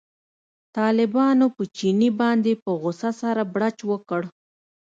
طالبانو په چیني باندې په غوسه سره بړچ وکړ.